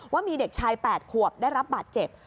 ว่ามีเด็กชาย๘ขวบได้รับบาดเจ็บ